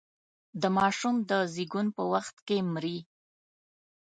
د ماشوم د زېږون په وخت کې مري.